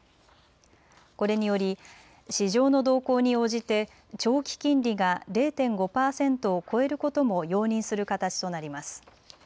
これにより市場の動向に応じて長期金利が０．５％を超えることも容認する形となります。